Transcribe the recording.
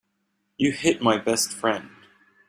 You hit my best friend.